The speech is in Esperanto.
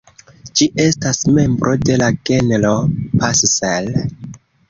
Ĝi estas membro de la genro "Passer".